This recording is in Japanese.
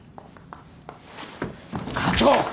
課長！